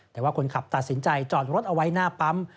แต่ว่าคนขับตัดสินใจจอดรถเอาไว้หน้าปั๊ม